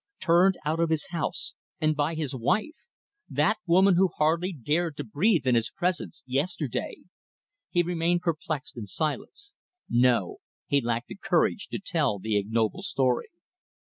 Turned out of his house and by his wife; that woman who hardly dared to breathe in his presence, yesterday. He remained perplexed and silent. No. He lacked the courage to tell the ignoble story.